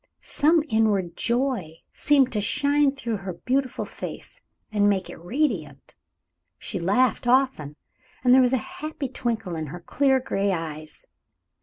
Some inward joy seemed to shine through her beautiful face and make it radiant. She laughed often, and there was a happy twinkle in her clear, gray eyes.